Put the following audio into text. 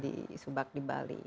di subak di bali